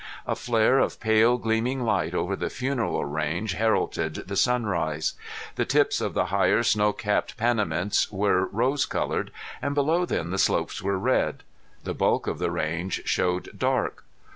A flare of pale gleaming light over the Funeral Range heralded the sunrise. The tips of the higher snow capped Panamints were rose colored, and below them the slopes were red. The bulk of the range showed dark.